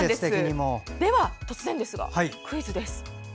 では突然ですがクイズです。